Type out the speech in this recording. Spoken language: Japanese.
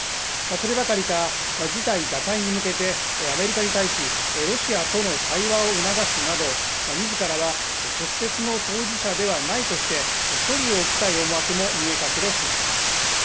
そればかりか、事態打開に向けて、アメリカに対しロシアとの対話を促すなど、みずからは直接の当事者ではないとして、距離を置きたい思惑も見え隠れします。